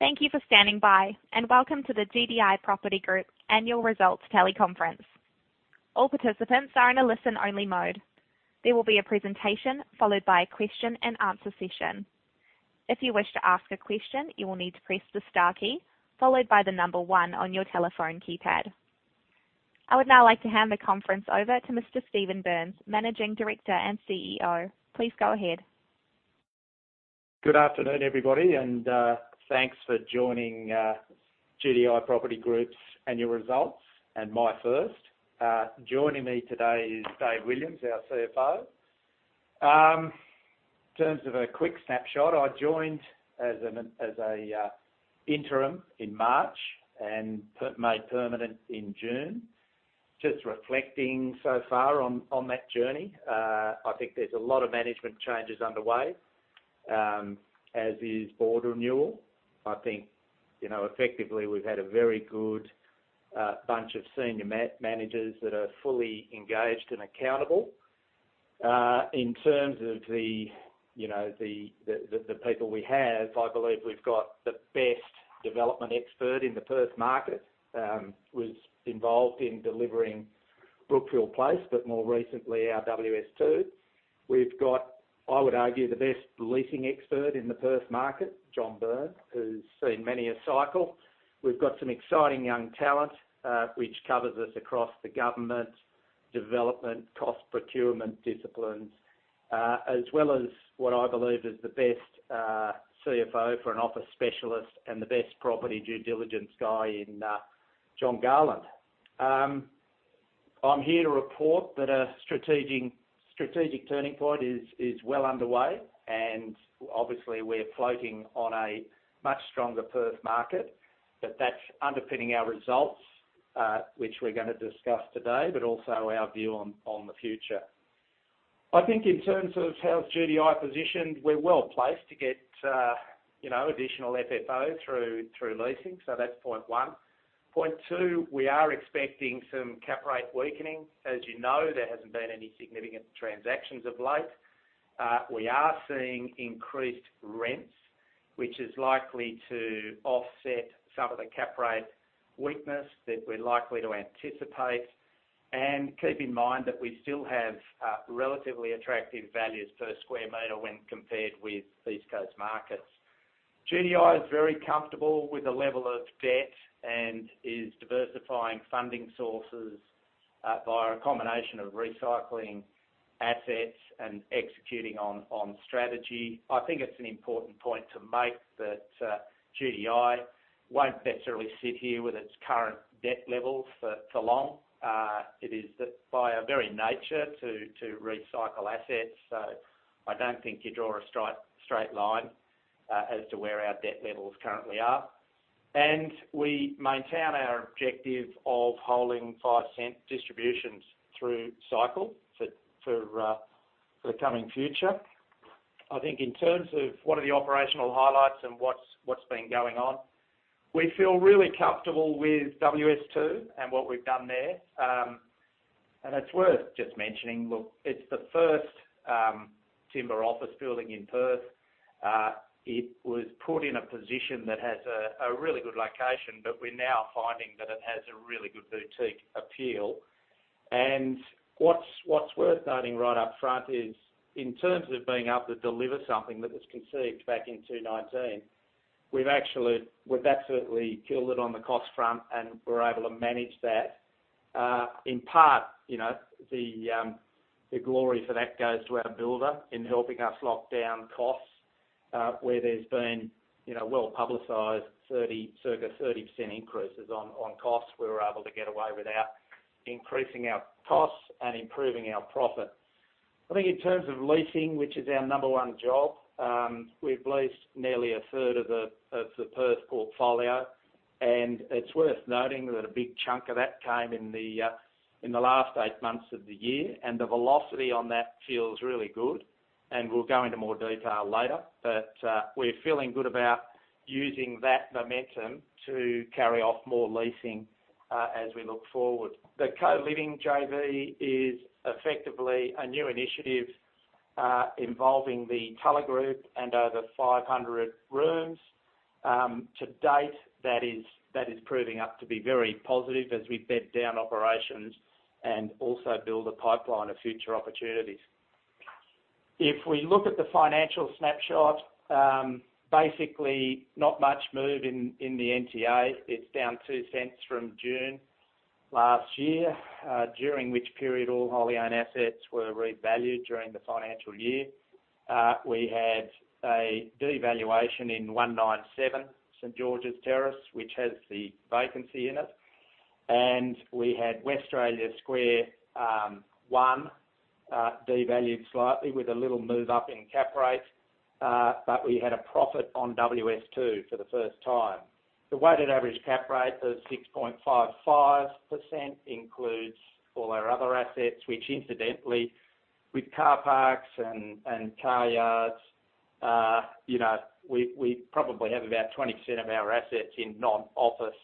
Thank you for standing by, and welcome to the GDI Property Group Annual Results Teleconference. All participants are in a listen-only mode. There will be a presentation, followed by a question-and-answer session. If you wish to ask a question, you will need to press the star key, followed by the number one on your telephone keypad. I would now like to hand the conference over to Mr. Stephen Burns, Managing Director and CEO. Please go ahead. Good afternoon, everybody, thanks for joining GDI Property Group's annual results, and my first. Joining me today is Dave Williams, our CFO. In terms of a quick snapshot, I joined as an interim in March and made permanent in June. Just reflecting so far on that journey, I think there's a lot of management changes underway, as is board renewal. I think, you know, effectively, we've had a very good bunch of senior managers that are fully engaged and accountable. In terms of the, you know, the people we have, I believe we've got the best development expert in the Perth market, was involved in delivering Brookfield Place, but more recently, our WS2. We've got, I would argue, the best leasing expert in the Perth market, John Byrne, who's seen many a cycle. We've got some exciting young talent, which covers us across the government, development, cost procurement disciplines, as well as what I believe is the best CFO for an office specialist and the best property due diligence guy in John Garland. I'm here to report that a strategic, strategic turning point is, is well underway, and obviously, we're floating on a much stronger Perth market, but that's underpinning our results, which we're gonna discuss today, but also our view on, on the future. I think in terms of how's GDI positioned, we're well-placed to get, you know, additional FFO through, through leasing. That's point one. Point two. We are expecting some cap rate weakening. As you know, there hasn't been any significant transactions of late. We are seeing increased rents, which is likely to offset some of the cap rate weakness that we're likely to anticipate. Keep in mind that we still have relatively attractive values per square meter when compared with East Coast markets. GDI is very comfortable with the level of debt and is diversifying funding sources via a combination of recycling assets and executing on, on strategy. I think it's an important point to make, that GDI won't necessarily sit here with its current debt levels for, for long. It is by our very nature, to, to recycle assets, so I don't think you draw a straight line as to where our debt levels currently are. We maintain our objective of holding 0.05 distributions through cycle for, for the coming future. I think in terms of what are the operational highlights and what's, what's been going on, we feel really comfortable with WS2 and what we've done there. It's worth just mentioning, look, it's the first timber office building in Perth. It was put in a position that has a really good location, but we're now finding that it has a really good boutique appeal. What's, what's worth noting right up front is, in terms of being able to deliver something that was conceived back in 2019, we've actually. We've absolutely killed it on the cost front, and we're able to manage that. In part, you know, the glory for that goes to our builder in helping us lock down costs, where there's been, you know, well-publicized 30, circa 30% increases on, on costs. We were able to get away without increasing our costs and improving our profit. I think in terms of leasing, which is our number one job, we've leased nearly a third of the Perth portfolio. It's worth noting that a big chunk of that came in the last 8 months of the year. The velocity on that feels really good, and we'll go into more detail later. We're feeling good about using that momentum to carry off more leasing as we look forward. The Co-living JV is effectively a new initiative, involving the Tulla Group and over 500 rooms. To date, that is, that is proving up to be very positive as we bed down operations and also build a pipeline of future opportunities. If we look at the financial snapshot, basically, not much move in, in the NTA. It's down 0.02 from June last year, during which period, all wholly owned assets were revalued during the financial year. We had a devaluation in 197 St Georges Terrace, which has the vacancy in it, and we had Westralia Square devalued slightly with a little move up in cap rate, but we had a profit on WS2 for the first time. The weighted average cap rate is 6.55%, includes all our other assets, which incidentally, with car parks and car yards, you know, we probably have about 20% of our assets in non-office.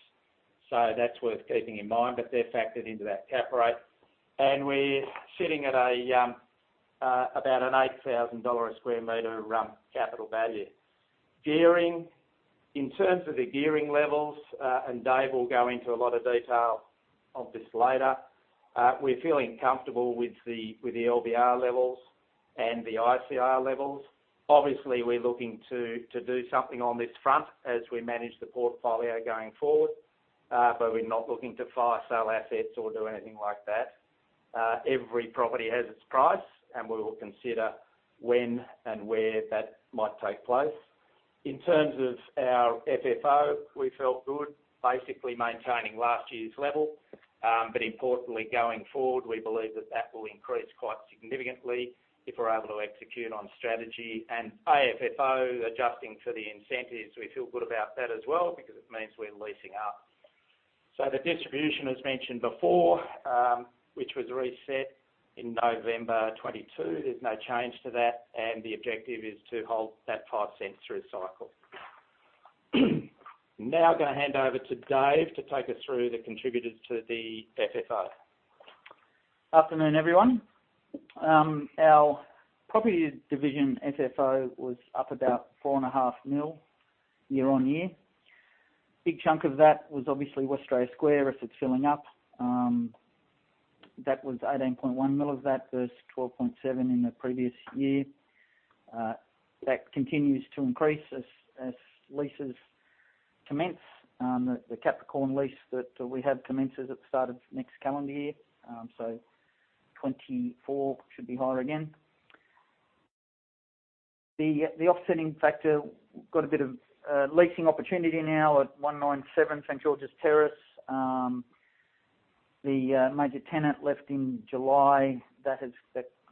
That's worth keeping in mind, but they're factored into that cap rate. We're sitting at about an 8,000 dollar a square meter capital value. Gearing. In terms of the gearing levels, and Dave Williams will go into a lot of detail of this later, we're feeling comfortable with the LVR levels and the ICR levels. Obviously, we're looking to do something on this front as we manage the portfolio going forward, but we're not looking to fire sale assets or do anything like that. Every property has its price. We will consider when and where that might take place. In terms of our FFO, we felt good, basically maintaining last year's level. Importantly, going forward, we believe that that will increase quite significantly if we're able to execute on strategy. AFFO, adjusting to the incentives, we feel good about that as well because it means we're leasing up. The distribution, as mentioned before, which was reset in November 2022, there's no change to that. The objective is to hold that 0.05 through cycle. Now, I'm gonna hand over to Dave to take us through the contributors to the FFO. Afternoon, everyone. Our property division FFO was up about 4.5 million year-over-year. Big chunk of that was obviously Westralia Square as it's filling up. That was 18.1 million of that versus 12.7 million in the previous year. That continues to increase as leases commence. The Capricorn lease that we have commences at the start of next calendar year. So 2024 should be higher again. The offsetting factor, got a bit of leasing opportunity now at 197 St. Georges Terrace. The major tenant left in July. That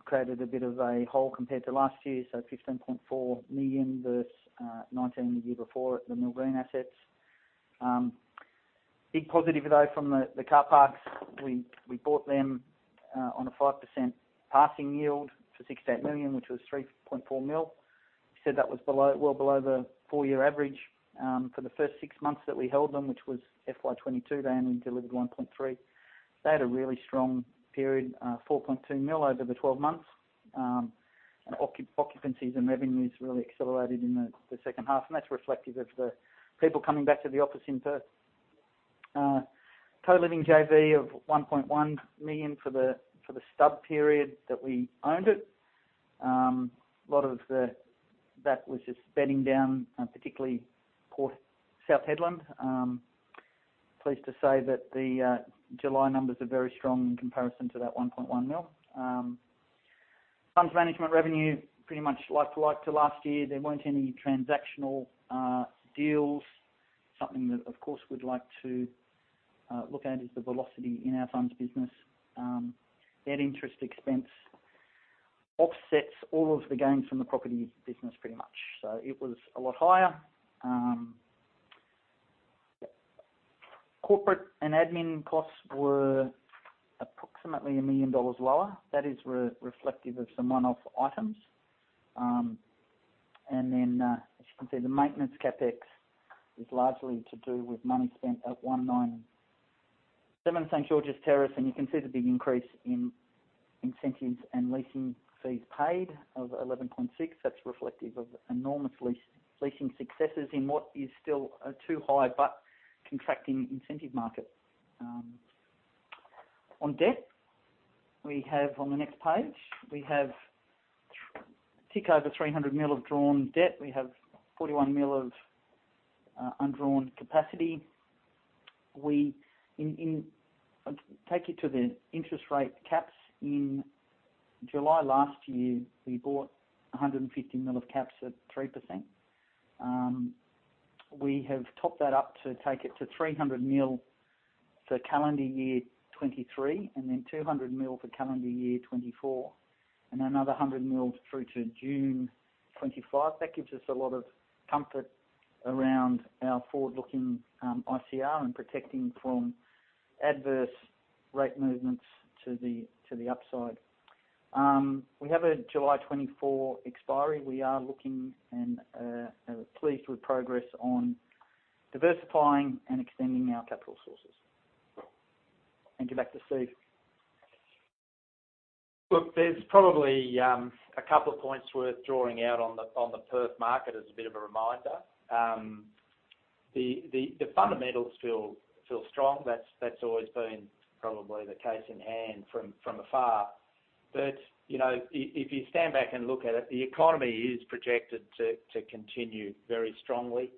created a bit of a hole compared to last year, so 15.4 million versus 19 million the year before at the Mill Green assets. Big positive, though, from the car parks, we bought them on a 5% passing yield for 16 million, which was 3.4 million. Said that was below, well below the four year average. For the first six months that we held them, which was FY22, they only delivered 1.3 million. They had a really strong period, 4.2 million over the 12 months. Occupancies and revenues really accelerated in the second half, and that's reflective of the people coming back to the office in Perth. Co-living JV of 1.1 million for the stub period that we owned it. A lot of that was just bedding down, particularly South Hedland. Pleased to say that the July numbers are very strong in comparison to that 1.1 million. Funds management revenue, pretty much like to like to last year. There weren't any transactional deals. Something that, of course, we'd like to look at is the velocity in our funds business. That interest expense offsets all of the gains from the property business, pretty much. It was a lot higher. Corporate and admin costs were approximately 1 million dollars lower. That is reflective of some one-off items. Then, as you can see, the maintenance CapEx is largely to do with money spent at 197 St Georges Terrace. You can see the big increase in incentives and leasing fees paid of 11.6. That's reflective of enormous lease, leasing successes in what is still a too high, but contracting incentive market. On debt, we have On the next page, we have tick over 300 million of drawn debt. We have 41 million of undrawn capacity. We, take you to the interest rate caps. In July last year, we bought 150 million of caps at 3%. We have topped that up to take it to 300 million for calendar year 2023, and then 200 million for calendar year 2024, and another 100 million through to June 2025. That gives us a lot of comfort around our forward-looking ICR and protecting from adverse rate movements to the, to the upside. We have a July 2024 expiry. We are looking and pleased with progress on diversifying and extending our capital sources. Give back to Steve. Look, there's probably a couple of points worth drawing out on the Perth market as a bit of a reminder. The fundamentals feel strong. That's always been probably the case in hand from afar. You know, if you stand back and look at it, the economy is projected to continue very strongly.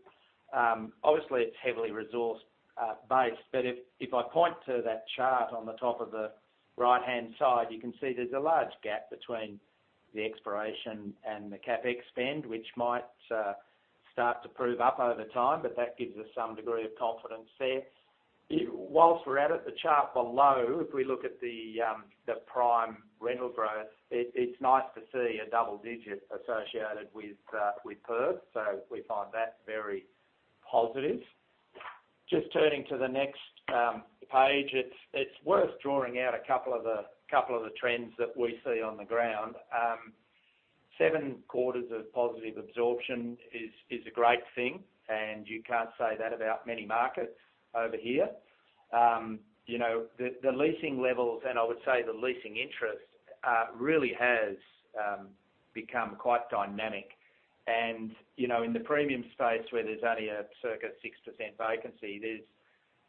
Obviously, it's heavily resourced based, but if I point to that chart on the top of the right-hand side, you can see there's a large gap between the exploration and the CapEx spend, which might start to prove up over time, but that gives us some degree of confidence there. Whilst we're at it, the chart below, if we look at the prime rental growth, it's nice to see a double-digit associated with Perth, so we find that very positive. Just turning to the next page, it's worth drawing out a couple of the, couple of the trends that we see on the ground. Seven quarters of positive absorption is a great thing, and you can't say that about many markets over here. You know, the leasing levels, and I would say the leasing interest, really has become quite dynamic. You know, in the Premium space, where there's only a circa 6% vacancy,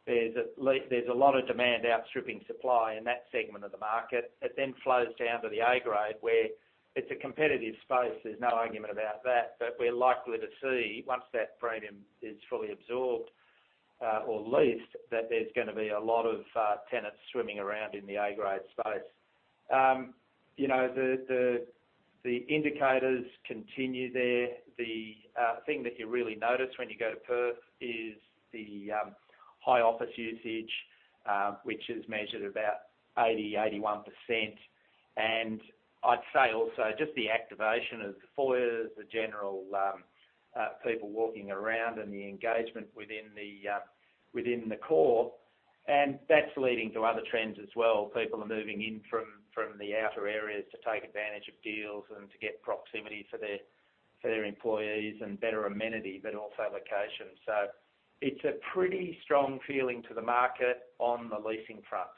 there's a lot of demand outstripping supply in that segment of the market. It flows down to the A-Grade, where it's a competitive space, there's no argument about that, but we're likely to see, once that premium is fully absorbed, or leased, that there's gonna be a lot of tenants swimming around in the A-Grade space. You know, the, the, the indicators continue there. The thing that you really notice when you go to Perth is the high office usage, which is measured about 80, 81%. I'd say also, just the activation of the foyers, the general people walking around, and the engagement within the core, and that's leading to other trends as well. People are moving in from, from the outer areas to take advantage of deals and to get proximity for their, for their employees and better amenity, but also location. It's a pretty strong feeling to the market on the leasing front,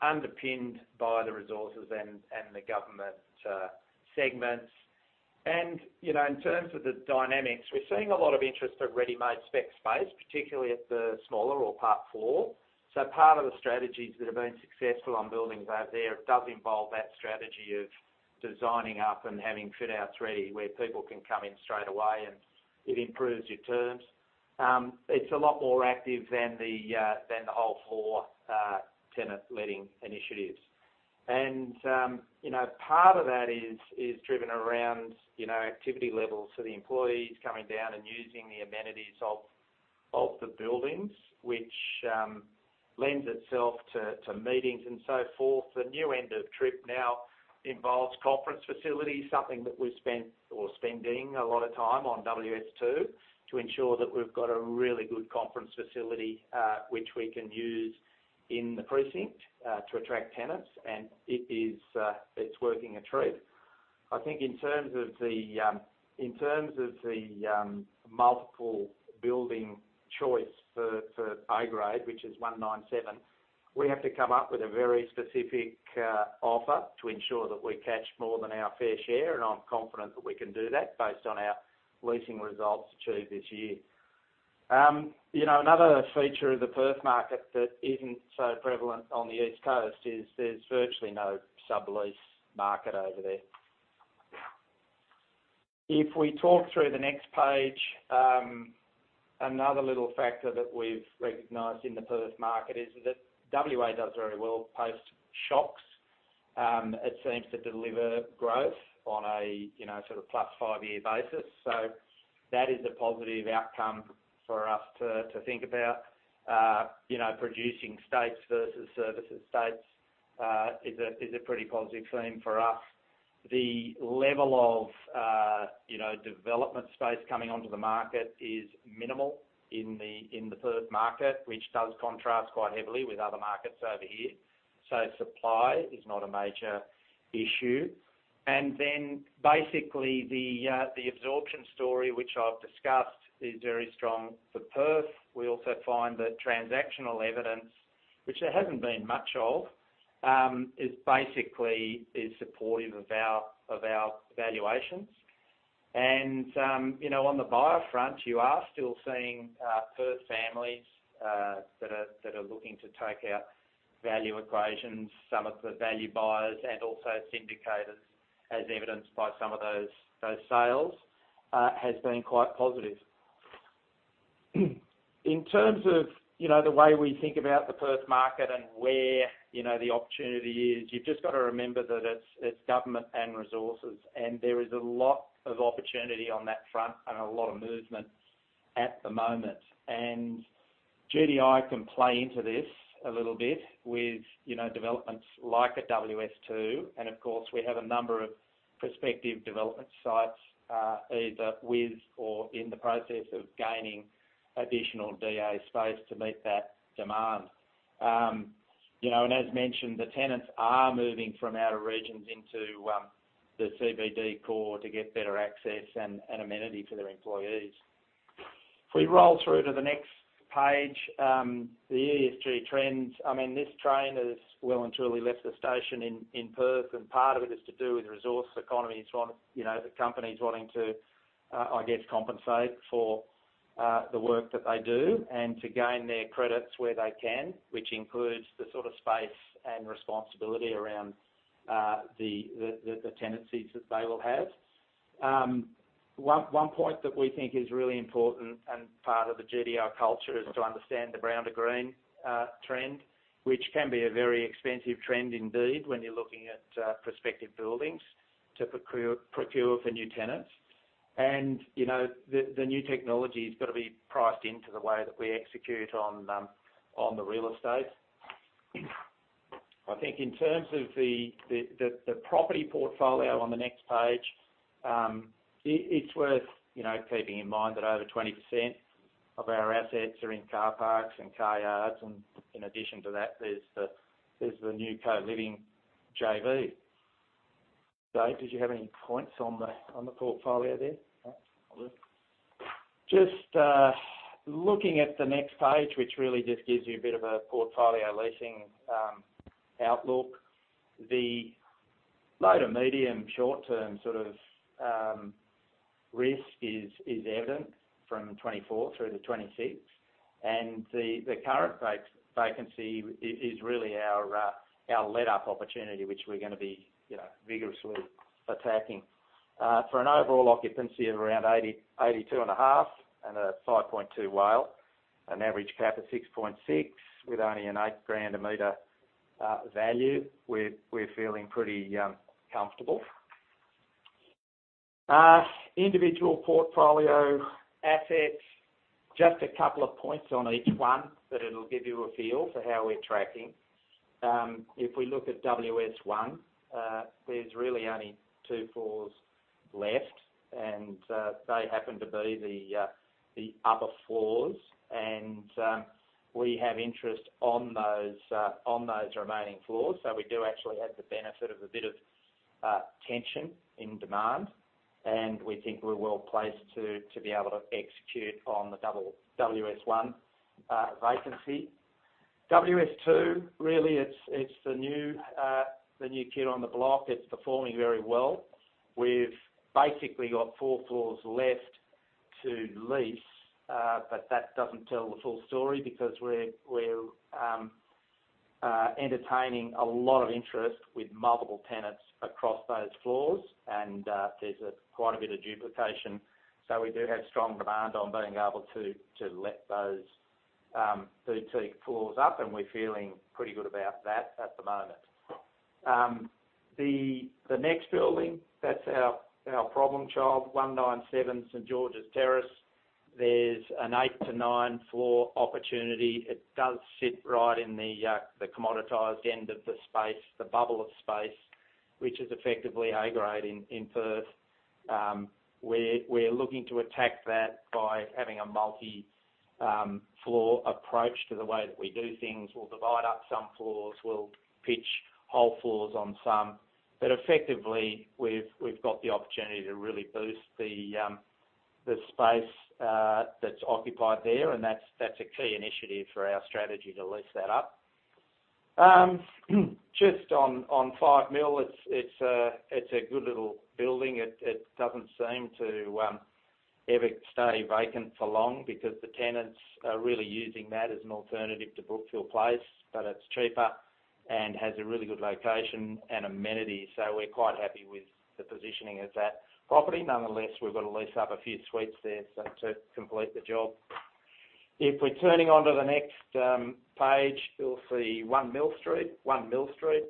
underpinned by the resources and the government segments. You know, in terms of the dynamics, we're seeing a lot of interest at ready-made spec space, particularly at the smaller or part four. Part of the strategies that have been successful on buildings out there, does involve that strategy of designing up and having fit out three, where people can come in straight away and it improves your terms. It's a lot more active than the than the whole four tenant letting initiatives. You know, part of that is, is driven around, you know, activity levels, so the employees coming down and using the amenities of the buildings, which lends itself to meetings and so forth. The new end of trip now involves conference facilities, something that we've spent or spending a lot of time on WS2, to ensure that we've got a really good conference facility, which we can use in the precinct, to attract tenants. It is, it's working a treat. I think in terms of the, in terms of the multiple building choice for, for A-Grade, which is 197, we have to come up with a very specific offer to ensure that we catch more than our fair share, and I'm confident that we can do that based on our leasing results achieved this year. You know, another feature of the Perth market that isn't so prevalent on the East Coast is there's virtually no sublease market over there. If we talk through the next page, another little factor that we've recognized in the Perth market is that WA does very well post shocks. It seems to deliver growth on a, you know, sort of plus 5-year basis, so that is a positive outcome for us to, to think about. You know, producing states versus services states, is a, is a pretty positive theme for us. The level of, you know, development space coming onto the market is minimal in the, in the Perth market, which does contrast quite heavily with other markets over here. Supply is not a major issue. Then, basically, the, the absorption story, which I've discussed, is very strong for Perth. We also find that transactional evidence, which there hasn't been much of, is basically supportive of our, of our valuations. You know, on the buyer front, you are still seeing Perth families that are that are looking to take out value equations, some of the value buyers and also syndicators, as evidenced by some of those, those sales, has been quite positive. In terms of, you know, the way we think about the Perth market and where, you know, the opportunity is, you've just got to remember that it's, it's government and resources, and there is a lot of opportunity on that front and a lot of movement at the moment. GDI can play into this a little bit with, you know, developments like at WS2, and of course, we have a number of prospective development sites either with or in the process of gaining additional DA space to meet that demand. You know, as mentioned, the tenants are moving from outer regions into the CBD core to get better access and, and amenity for their employees. If we roll through to the next page, the ESG trends, I mean, this train has well and truly left the station in Perth, and part of it is to do with resources economy, as well, you know, the companies wanting to, I guess, compensate for the work that they do and to gain their credits where they can, which includes the sort of space and responsibility around the, the, the, the tenancies that they will have. One, one point that we think is really important and part of the GDI culture is to understand the brown to green trend, which can be a very expensive trend indeed, when you're looking at prospective buildings to procure, procure for new tenants. You know, the, the new technology has got to be priced into the way that we execute on the real estate. I think in terms of the, the, the, the property portfolio on the next page. It, it's worth, you know, keeping in mind that over 20% of our assets are in car parks and car yards, and in addition to that, there's the, there's the new co-living JV. Dave, did you have any points on the, on the portfolio there? Just looking at the next page, which really just gives you a bit of a portfolio leasing outlook. The low to medium, short term, sort of, risk is evident from 2024 through to 2026, and the current vacancy is really our led-up opportunity, which we're gonna be, you know, vigorously attacking. For an overall occupancy of around 80-82.5%, and a 5.2 WALE, an average CAP at 6.6%, with only an 8,000 a meter value, we're feeling pretty comfortable. Individual portfolio assets, just a couple of points on each one, but it'll give you a feel for how we're tracking. If we look at WS1, there's really only 2 floors left, and they happen to be the upper floors. We have interest on those on those remaining floors. We do actually have the benefit of a bit of tension in demand, and we think we're well placed to be able to execute on the WS1 vacancy. WS2, really, it's, it's the new the new kid on the block. It's performing very well. We've basically got four floors left to lease, but that doesn't tell the full story because we're we're entertaining a lot of interest with multiple tenants across those floors, and there's a quite a bit of duplication. We do have strong demand on being able to let those boutique floors up, and we're feeling pretty good about that at the moment. The next building, that's our problem child, 197 St Georges Terrace. There's an 8-9 floor opportunity. It does sit right in the commoditized end of the space, the bubble of space, which is effectively A-Grade in Perth. We're looking to attack that by having a multi-floor approach to the way that we do things. We'll divide up some floors, we'll pitch whole floors on some, but effectively, we've got the opportunity to really boost the space that's occupied there, and that's a key initiative for our strategy to lease that up. Just on five Mill, it's a good little building. It, it doesn't seem to ever stay vacant for long because the tenants are really using that as an alternative to Brookfield Place, but it's cheaper and has a really good location and amenities. We're quite happy with the positioning of that property. Nonetheless, we've got to lease up a few suites there, so to complete the job. If we're turning onto the next page, you'll see one Mill Street. one Mill Street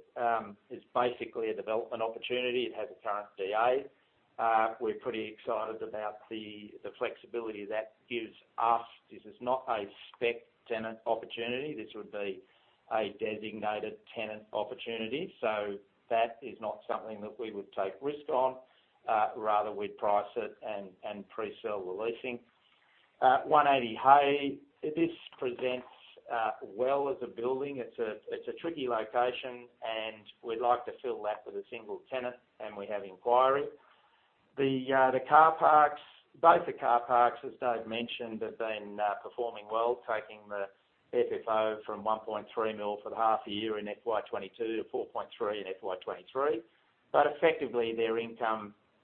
is basically a development opportunity. It has a current DA. We're pretty excited about the flexibility that gives us. This is not a spec tenant opportunity. This would be a designated tenant opportunity. That is not something that we would take risk on, rather, we'd price it and, and pre-sell the leasing. 180 Hay Street. This presents well as a building. It's a, it's a tricky location, and we'd like to fill that with a single tenant, and we have inquiry. The car parks, both the car parks, as Dave mentioned, have been performing well, taking the FFO from 1.3 million for the half year in FY22 to 4.3 million in FY2023. Effectively, they're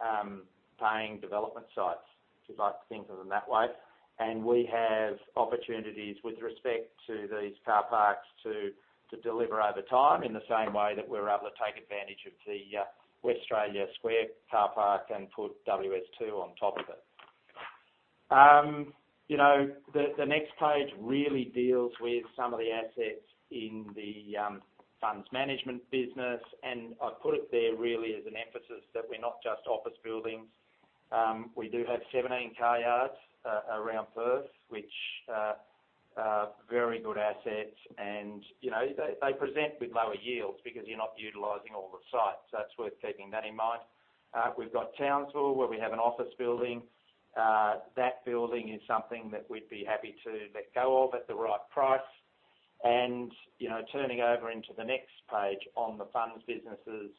income-paying development sites, if you'd like to think of them that way. And we have opportunities with respect to these car parks to, to deliver over time, in the same way that we're able to take advantage of the Westralia Square car park and put WS2 on top of it. You know, the, the next page really deals with some of the assets in the funds management business, and I put it there really as an emphasis that we're not just office buildings. We do have 17 car yards around Perth, which are very good assets, and, you know, they, they present with lower yields because you're not utilizing all the sites. That's worth keeping that in mind. We've got Townsville, where we have an office building. That building is something that we'd be happy to let go of at the right price. You know, turning over into the next page on the funds businesses,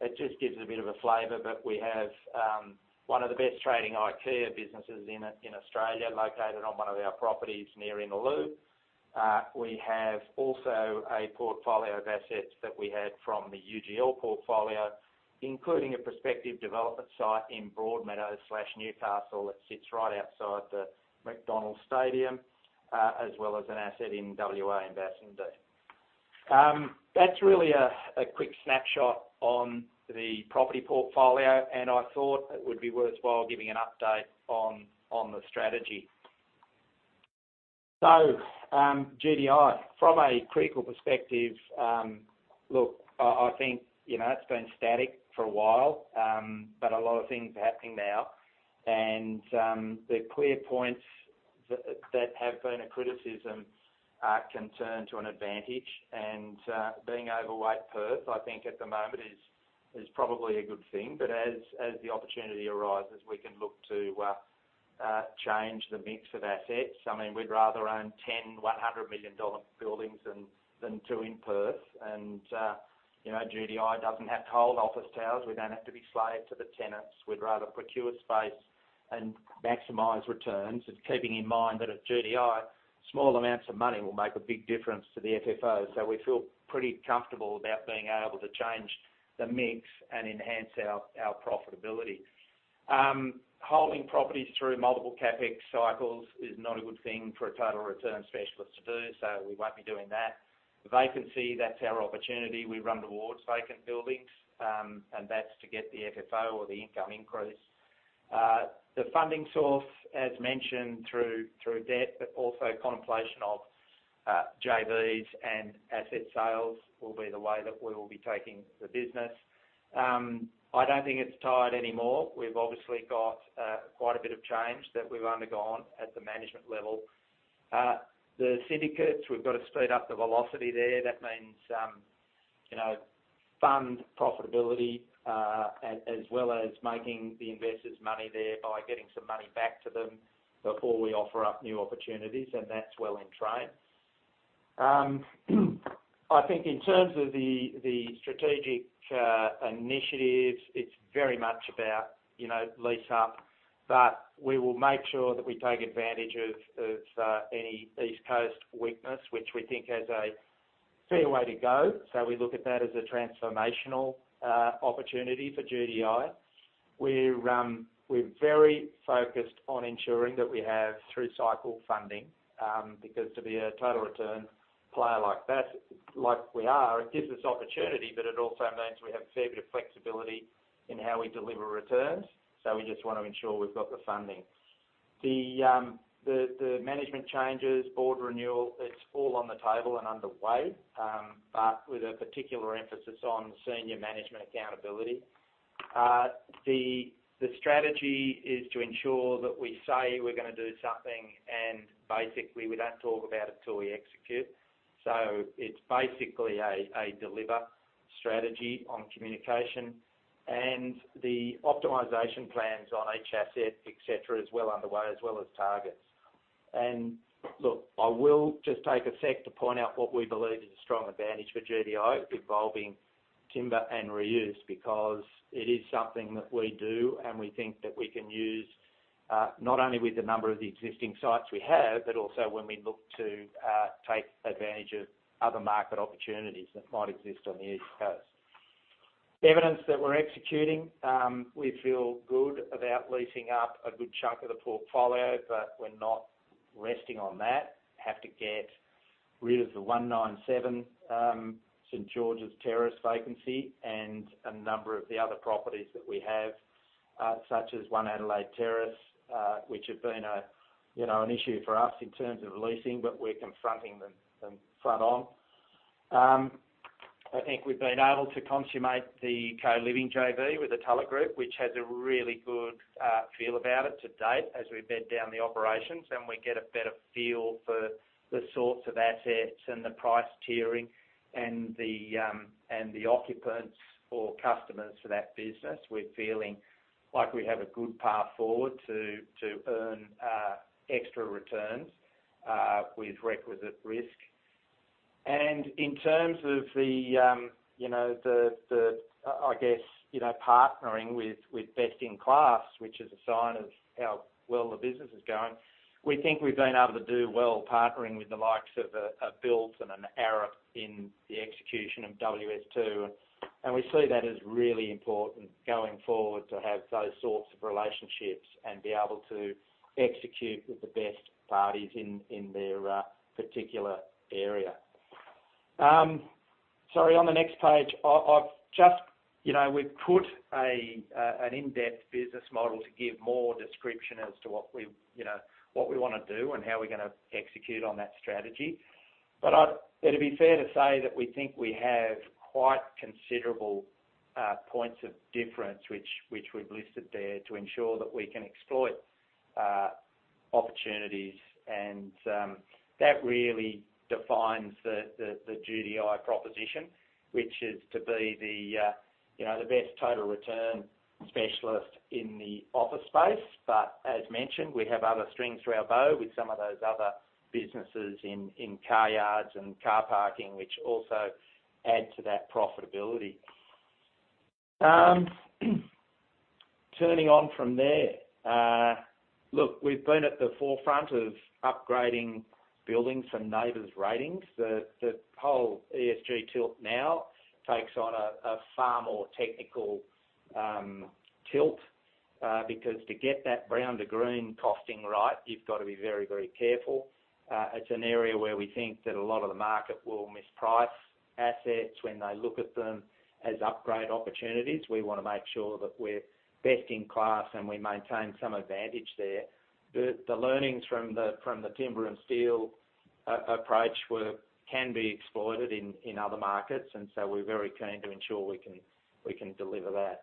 it just gives it a bit of a flavor, but we have one of the best trading IKEA businesses in Australia, located on one of our properties near Innaloo. We have also a portfolio of assets that we had from the UGL portfolio, including a prospective development site in Broadmeadow/Newcastle, that sits right outside the McDonald Stadium, as well as an asset in WA Investment Day. That's really a quick snapshot on the property portfolio, and I thought it would be worthwhile giving an update on the strategy. GDI, from a critical perspective, look, I, I think, you know, it's been static for a while, but a lot of things are happening now. The clear points-... that, that have been a criticism, can turn to an advantage. Being overweight Perth, I think at the moment is, is probably a good thing. As, as the opportunity arises, we can look to change the mix of assets. I mean, we'd rather own 10, $100 million buildings than two in Perth. You know, GDI doesn't have to hold office towers. We don't have to be slave to the tenants. We'd rather procure space and maximize returns, and keeping in mind that at GDI, small amounts of money will make a big difference to the FFO. We feel pretty comfortable about being able to change the mix and enhance our, our profitability. Holding properties through multiple CapEx cycles is not a good thing for a total return specialist to do, so we won't be doing that. Vacancy, that's our opportunity. We run towards vacant buildings, and that's to get the FFO or the income increase. The funding source, as mentioned, through, through debt, but also contemplation of JVs and asset sales will be the way that we will be taking the business. I don't think it's tied anymore. We've obviously got quite a bit of change that we've undergone at the management level. The syndicates, we've got to speed up the velocity there. That means, you know, fund profitability, as well as making the investors' money there by getting some money back to them before we offer up new opportunities, and that's well in train. I think in terms of the strategic initiatives, it's very much about, you know, lease up, but we will make sure that we take advantage of any East Coast weakness, which we think has a fair way to go. So we look at that as a transformational opportunity for GDI. We're, we're very focused on ensuring that we have through-cycle funding, because to be a total return player like that, like we are, it gives us opportunity, but it also means we have a fair bit of flexibility in how we deliver returns, so we just want to ensure we've got the funding. The, the, the management changes, board renewal, it's all on the table and underway, but with a particular emphasis on senior management accountability. The, the strategy is to ensure that we say we're going to do something, and basically, we don't talk about it till we execute. It's basically a, a deliver strategy on communication and the optimization plans on each asset, et cetera, is well underway, as well as targets. Look, I will just take a sec to point out what we believe is a strong advantage for GDI, involving timber and reuse, because it is something that we do, and we think that we can use, not only with the number of the existing sites we have, but also when we look to take advantage of other market opportunities that might exist on the East Coast. Evidence that we're executing, we feel good about leasing up a good chunk of the portfolio, but we're not resting on that. Have to get rid of the 197 St Georges Terrace vacancy, and a number of the other properties that we have, such as One Adelaide Terrace, which have been a, you know, an issue for us in terms of leasing, but we're confronting them, them front on. I think we've been able to consummate the Co-living JV with the Tulla Group, which has a really good feel about it to date as we bed down the operations, and we get a better feel for the sorts of assets and the price tiering and the occupants or customers for that business. We're feeling like we have a good path forward to, to earn extra returns with requisite risk. In terms of the, you know, the, the, I, you know, partnering with, with best-in-class, which is a sign of how well the business is going, we think we've been able to do well partnering with the likes of a Built and an Arup in the execution of WS2. We see that as really important going forward to have those sorts of relationships and be able to execute with the best parties in, in their particular area. Sorry, on the next page, I, I've just, you know, we've put a, an in-depth business model to give more description as to what we, you know, what we want to do and how we're going to execute on that strategy. It'd be fair to say that we think we have quite considerable points of difference, which, which we've listed there, to ensure that we can exploit opportunities. That really defines the, the, the GDI proposition, which is to be the, you know, the best total return specialist in the office space. As mentioned, we have other strings to our bow with some of those other businesses in car yards and car parking, which also add to that profitability. Turning on from there, look, we've been at the forefront of upgrading buildings for NABERS ratings. The whole ESG tilt now takes on a far more technical tilt, because to get that brown to green costing right, you've got to be very, very careful. It's an area where we think that a lot of the market will misprice assets when they look at them as upgrade opportunities. We want to make sure that we're best in class, and we maintain some advantage there. The, the learnings from the, from the timber and steel approach were can be exploited in, in other markets, and so we're very keen to ensure we can, we can deliver that.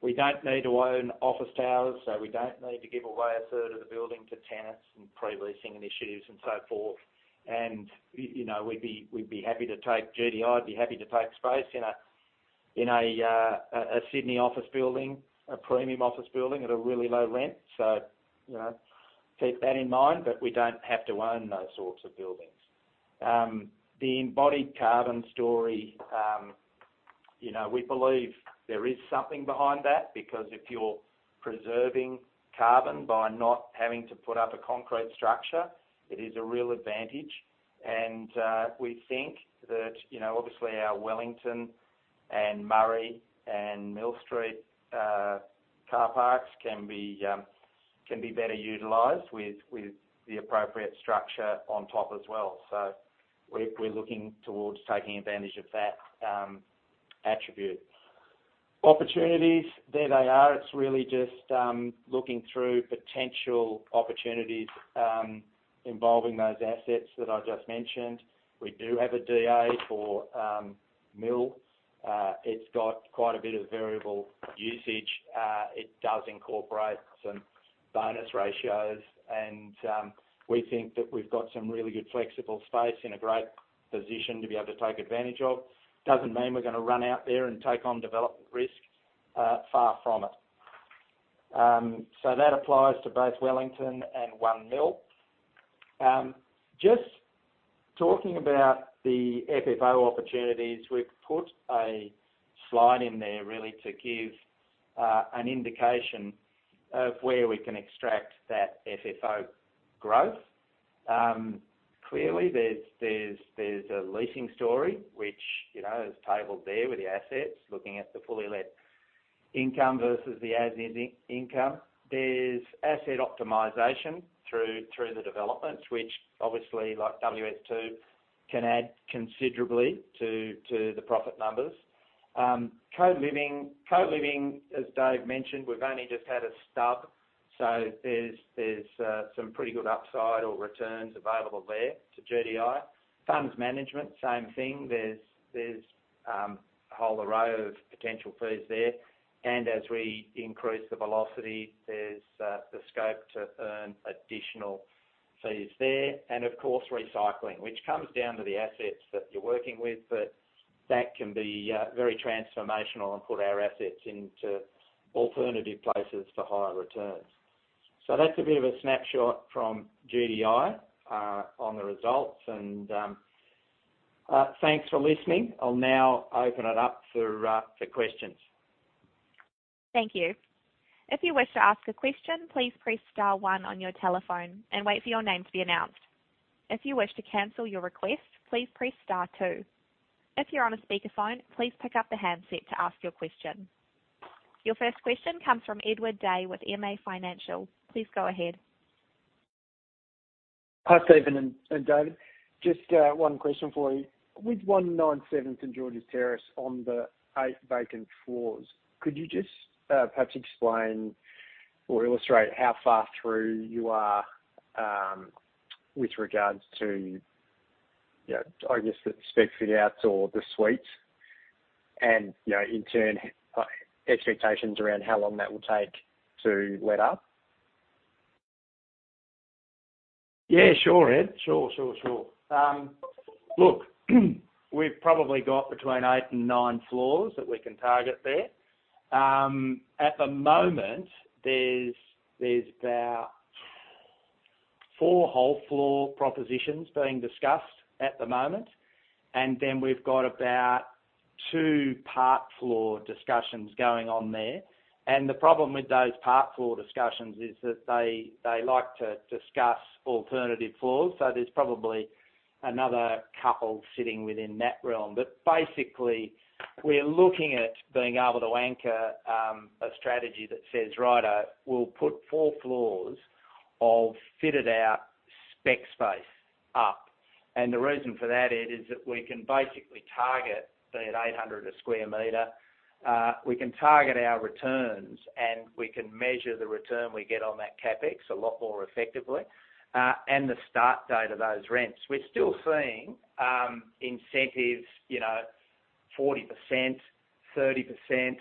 We don't need to own office towers, so we don't need to give away a third of the building to tenants and pre-leasing initiatives and so forth. You know, we'd be, we'd be happy to take GDI would be happy to take space in a, in a, a Sydney office building, a premium office building at a really low rent. You know, keep that in mind, but we don't have to own those sorts of buildings. The embodied carbon story, you know, we believe there is something behind that, because if you're preserving carbon by not having to put up a concrete structure, it is a real advantage. We think that, you know, obviously, our Wellington and Murray and Mill Street car parks can be better utilized with, with the appropriate structure on top as well. We're looking towards taking advantage of that attribute. Opportunities, there they are. It's really just looking through potential opportunities involving those assets that I just mentioned. We do have a DA for Mill. It's got quite a bit of variable usage. It does incorporate some bonus ratios, and we think that we've got some really good flexible space in a great position to be able to take advantage of. Doesn't mean we're going to run out there and take on development risk, far from it. That applies to both Wellington and One Mill. Just talking about the FFO opportunities, we've put a slide in there, really, to give an indication of where we can extract that FFO growth. Clearly, there's a leasing story which, you know, is tabled there with the assets, looking at the fully let income versus the as-is income. There's asset optimization through the developments, which obviously, like WS2, can add considerably to the profit numbers. Co-living. Co-living, as Dave mentioned, we've only just had a start, so there's some pretty good upside or returns available there to GDI. Funds management, same thing. There's a whole array of potential fees there, and as we increase the velocity, there's the scope to earn additional fees there. Of course, recycling, which comes down to the assets that you're working with, but that can be very transformational and put our assets into alternative places for higher returns. That's a bit of a snapshot from GDI on the results, and thanks for listening. I'll now open it up for questions. Thank you. If you wish to ask a question, please press star one on your telephone and wait for your name to be announced. If you wish to cancel your request, please press star two. If you're on a speakerphone, please pick up the handset to ask your question. Your first question comes from Edward Day with MA Financial. Please go ahead. Hi, Steven and, and Dave. Just, one question for you. With 197 St Georges Terrace on the eight vacant floors, could you just, perhaps explain or illustrate how far through you are, with regards to, you know, I guess, the spec fit outs or the suites and, you know, in turn, expectations around how long that will take to let up? Yeah, sure, Ed. Sure, sure, sure. Look, we've probably got between eight and nine floors that we can target there. At the moment, there's about four whole floor propositions being discussed at the moment, and then we've got about two part floor discussions going on there. The problem with those part floor discussions is that they, they like to discuss alternative floors, so there's probably another couple sitting within that realm. Basically, we're looking at being able to anchor a strategy that says, "Right, we'll put four floors of fitted out spec space up." The reason for that is that we can basically target, be it 800 a square meter, we can target our returns, and we can measure the return we get on that CapEx a lot more effectively, and the start date of those rents. We're still seeing, incentives, you know, 40%, 30%,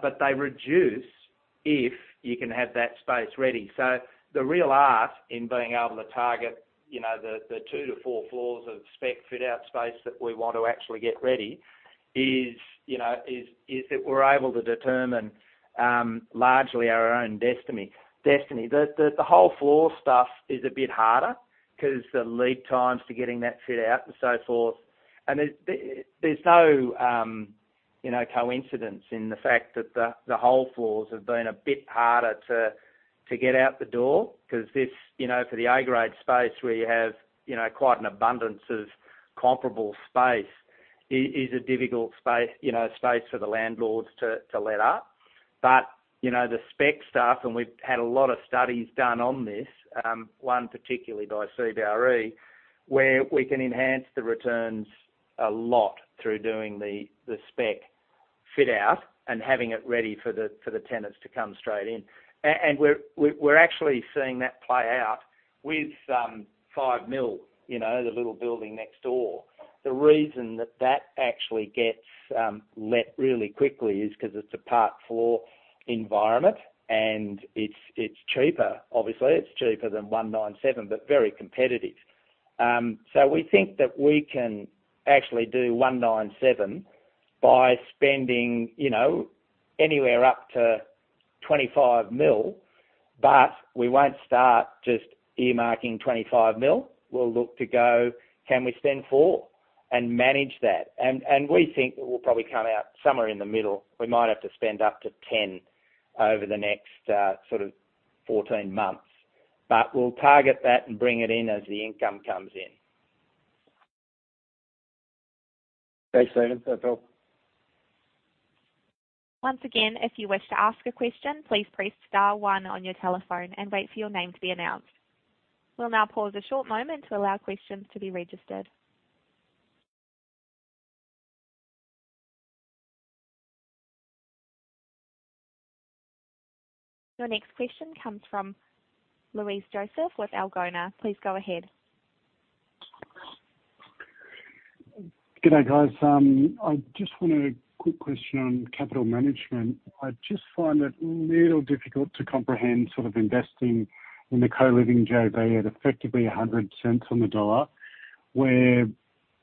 but they reduce if you can have that space ready. So the real art in being able to target, you know, the, the 2-4 floors of spec fit outs space that we want to actually get ready is, you know, is, is that we're able to determine, largely our own destiny, destiny. The, the, the whole floor stuff is a bit harder because the lead times to getting that fit out and so forth. And there's, there, there's no, you know, coincidence in the fact that the, the whole floors have been a bit harder to, to get out the door. Because this, you know, for the Grade A space, where you have, you know, quite an abundance of comparable space, i- is a difficult space, you know, space for the landlords to, to let up. You know, the spec stuff, and we've had a lot of studies done on this, one, particularly by CBRE, where we can enhance the returns a lot through doing the, the spec fit-out and having it ready for the, for the tenants to come straight in. We're actually seeing that play out with 5 Mill, you know, the little building next door. The reason that that actually gets let really quickly is because it's a part four environment, and it's, it's cheaper. Obviously, it's cheaper than 197, but very competitive. We think that we can actually do 197 by spending, you know, anywhere up to 25 million. We won't start just earmarking 25 million. We'll look to go, "Can we spend 4 million and manage that?" We think that we'll probably come out somewhere in the middle. We might have to spend up to 10 over the next, sort of 14 months, but we'll target that and bring it in as the income comes in. Thanks, Steven. That's all. Once again, if you wish to ask a question, please press star one on your telephone and wait for your name to be announced. We'll now pause a short moment to allow questions to be registered. Your next question comes from Louise Joseph with Algona. Please go ahead. Good day, guys. I just want a quick question on capital management. I just find it a little difficult to comprehend, sort of investing in the co-living JV at effectively 0.100 on the dollar, where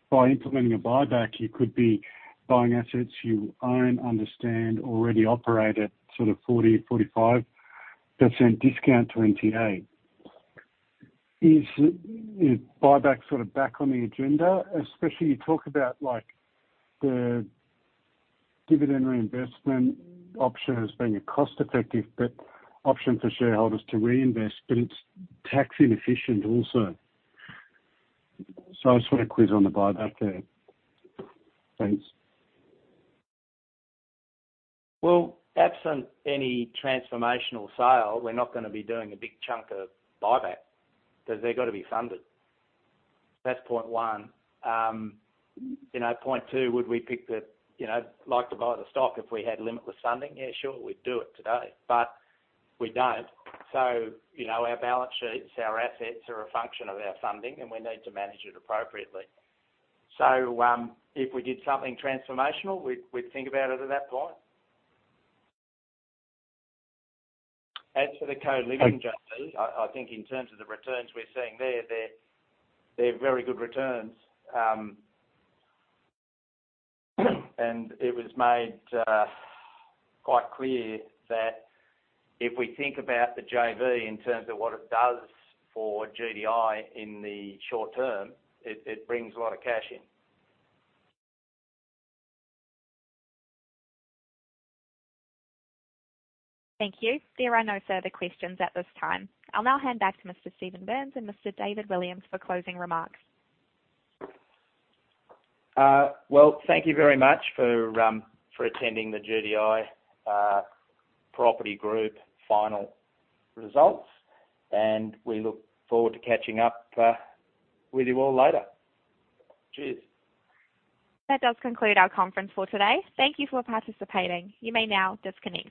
by implementing a buyback, you could be buying assets you own, understand, already operate at sort of 40%-45% discount to NTA. Is buyback sort of back on the agenda, especially you talk about, like, the dividend reinvestment option as being a cost-effective, but option for shareholders to reinvest, but it's tax inefficient also? I just want to quiz on the buyback there. Thanks. Well, absent any transformational sale, we're not going to be doing a big chunk of buyback because they've got to be funded. That's point one. You know, point two, would we pick the, you know, like to buy the stock if we had limitless funding? Yeah, sure, we'd do it today, but we don't. Our balance sheets, our assets are a function of our funding, and we need to manage it appropriately. If we did something transformational, we'd, we'd think about it at that point. As for the Co-living JV, I, I think in terms of the returns we're seeing there, they're, they're very good returns. It was made quite clear that if we think about the JV in terms of what it does for GDI in the short term, it, it brings a lot of cash in. Thank you. There are no further questions at this time. I'll now hand back to Mr. Stephen Burns and Mr. David Williams for closing remarks. Well, thank you very much for for attending the GDI Property Group final results, and we look forward to catching up with you all later. Cheers. That does conclude our conference for today. Thank you for participating. You may now disconnect.